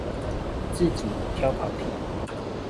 自己挑考題